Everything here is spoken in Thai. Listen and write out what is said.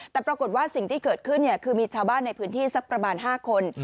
แต่ปรากฏว่าสิ่งที่เกิดขึ้นคือมีชาวบ้านในพื้นที่สักประมาณ๕คน